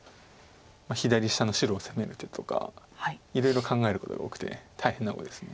左下の白を攻める手とかいろいろ考えることが多くて大変な碁です。